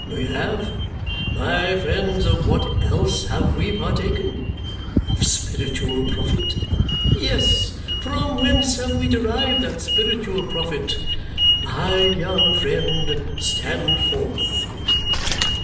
We have. My friends, of what else have we partaken? Of spiritual profit? Yes. From whence have we derived that spiritual profit? My young friend, stand forth!"